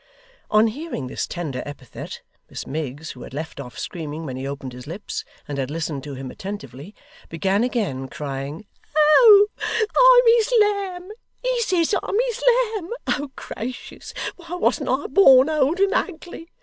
On hearing this tender epithet, Miss Miggs, who had left off screaming when he opened his lips, and had listened to him attentively, began again, crying: 'Oh I'm his lamb! He says I'm his lamb! Oh gracious, why wasn't I born old and ugly!